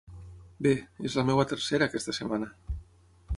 Bé, és la meva tercera aquesta setmana.